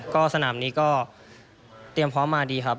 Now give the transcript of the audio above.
ก็สนามนี้ก็เตรียมพร้อมมาดีครับ